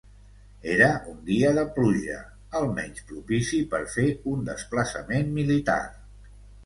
Era un dia de pluja, el menys propici per fer un desplaçament militar.